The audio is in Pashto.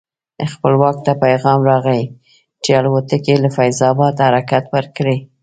خپلواک ته پیغام راغی چې الوتکې له فیض اباد حرکت ورکړی دی.